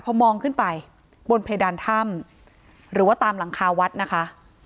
พอมองขึ้นไปบนเพดานถ้ำหรือว่าตามหลังคาวัดนะคะ